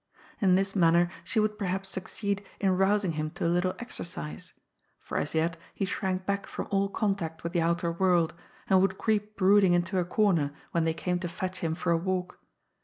In this manner she would perhaps succeed in rousing him to a little exercise ; for as yet he shrank back from all contact with the outer world, and would creep brooding into a comer when they came to fetch him for a walk.